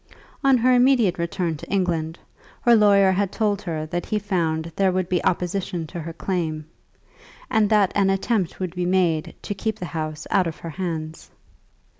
On her immediate return to England, her lawyer had told her that he found there would be opposition to her claim, and that an attempt would be made to keep the house out of her hands.